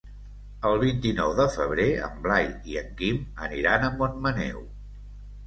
El vint-i-nou de febrer en Blai i en Quim aniran a Montmaneu.